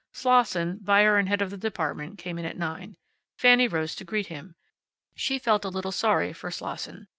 Slosson, buyer and head of the department, came in at nine. Fanny rose to greet him. She felt a little sorry for Slosson.